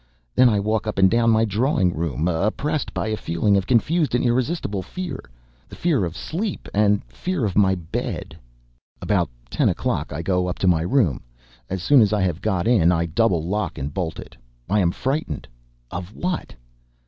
Then I walk up and down my drawing room, oppressed by a feeling of confused and irresistible fear, the fear of sleep and fear of my bed. About ten o'clock I go up to my room. As soon as I have got in I double lock, and bolt it: I am frightened of what?